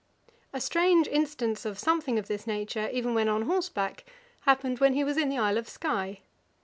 A strange instance of something of this nature, even when on horseback, happened when he was in the isle of Sky.